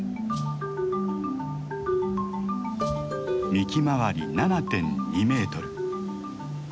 幹周り７．２メートル。